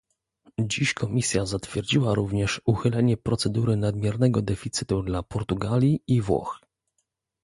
Dziś Komisja zatwierdziła również uchylenie procedury nadmiernego deficytu dla Portugalii i Włoch